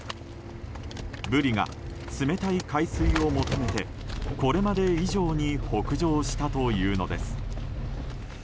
ブリが冷たい海水を求めてこれまで以上に北上したというのです。